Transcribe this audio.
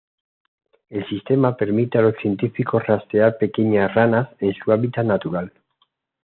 El sistema permite a los científicos rastrear pequeñas ranas en su hábitat natural.